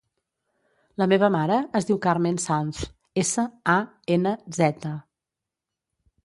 La meva mare es diu Carmen Sanz: essa, a, ena, zeta.